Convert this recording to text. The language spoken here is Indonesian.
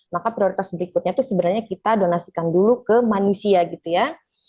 maka prioritas berikutnya itu sebenarnya kita donasikan dulu ke manusia gitu ya